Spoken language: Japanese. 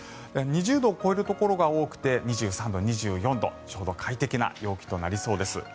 ２０度を超えるところが多くて２３度、２４度ちょうど快適な陽気となりそうです。